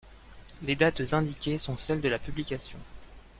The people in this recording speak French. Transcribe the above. Les dates indiquées sont celles de la publication.